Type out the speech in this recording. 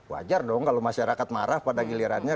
wajar dong kalau masyarakat marah pada gilirannya